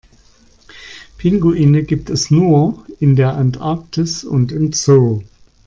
Pinguine gibt es nur in der Antarktis und im Zoo.